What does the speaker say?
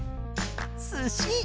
すし。